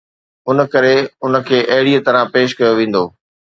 ان ڪري ان کي اهڙي طرح پيش ڪيو ويندو